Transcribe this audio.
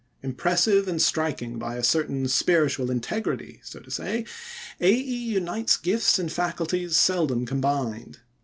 Impressive and striking by a certain spiritual integrity, so to say, "Æ" unites gifts and faculties seldom combined.